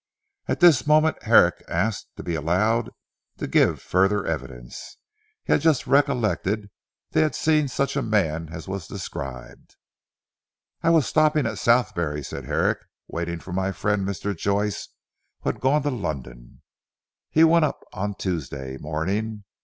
At this moment Herrick asked to be allowed to give further evidence. He had just recollected that he had seen such a man as was described. "I was stopping at Southberry," said Herrick, "waiting for my friend Mr. Joyce who had gone to London. He went up on Tuesday morning.